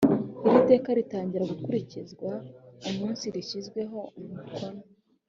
iri teka ritangira gukurikizwa umunsi rishyiriweho umukono